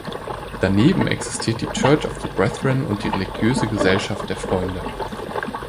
Daneben existiert die Church of the Brethren und die Religiöse Gesellschaft der Freunde.